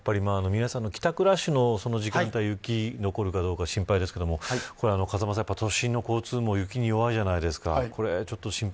帰宅ラッシュの時間帯雪が残るか心配ですけど風間さん、都心の交通網雪に弱いじゃないですか。